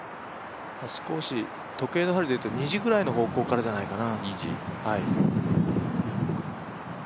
少し時計の針でいうと２時くらいの方向じゃないかな。